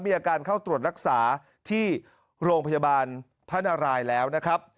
อาการเข้าตรวจรักษาที่โรงพยาบาลพระนารายแล้วนะครับ